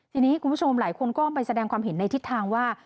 ทีนี้คุณผู้ชมหลายคนก็ไปแสดงความเห็นในทิศทางว่า